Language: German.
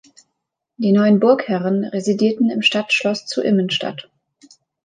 Die neuen Burgherren residierten im Stadtschloss zu Immenstadt.